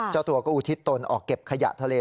เจ้าตัวก็อุทิศตนออกเก็บขยะทะเล